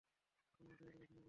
আপনারা দয়া করে ওখানে বসুন।